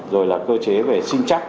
rồi là cơ chế về xin chắc